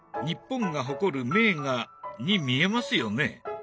日本が誇る名画に見えますよね？